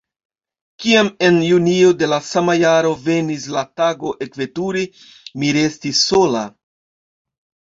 Kiam en junio de la sama jaro venis la tago ekveturi, mi restis sola.